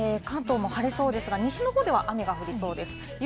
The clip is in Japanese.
関東も晴れそうですが、西の方では雨が降りそうです。